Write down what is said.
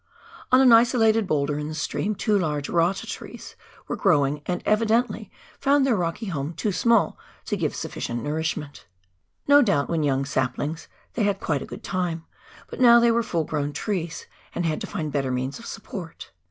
On an isolated boulder in the stream, two large rata trees were growing, and evidently found their rocky home too small to give sufficient nourishment. No doubt when young saplings they had quite a good time, but now they were full grown trees, and had to find better means of support.